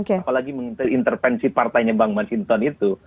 apalagi mengintervensi partainya bang mas inton itu